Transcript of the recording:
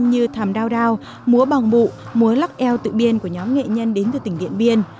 như thàm đao đao múa bòng bụ múa lắc eo tự biên của nhóm nghệ nhân đến từ tỉnh điện biên